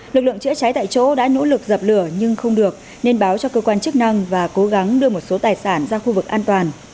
lực lượng chữa cháy tại chỗ đã nỗ lực dập lửa nhưng không được nên báo cho cơ quan chức năng và cố gắng đưa một số tài sản ra khu vực an toàn